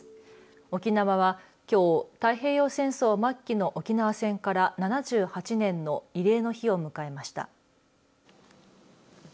沖縄はきょう太平洋戦争末期の沖縄戦から７８年の慰霊の日を迎えました。